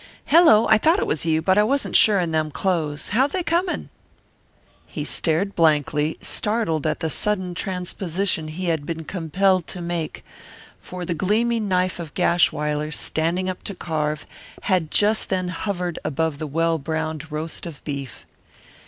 "Hello, I thought it was you, but I wasn't sure in them clothes. How they coming?" He stared blankly, startled at the sudden transposition he had been compelled to make, for the gleaming knife of Gashwiler, standing up to carve, had just then hovered above the well browned roast of beef.